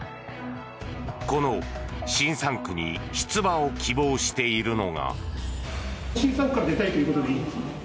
この新３区に出馬を希望しているのが。